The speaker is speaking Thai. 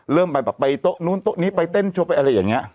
เริ่มไปแบบไปโต๊ะนู้นโต๊ะนี้ไปเต้นโชว์ไปอะไรอย่างนี้